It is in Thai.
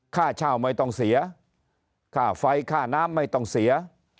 ค่าเช่าไม่ต้องเสียค่าไฟค่าน้ำไม่ต้องเสีย